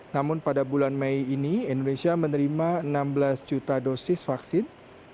namun pada bulan mei ini indonesia menerima enam belas juta dosis vaksin